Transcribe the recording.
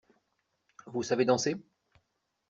Vous savez danser?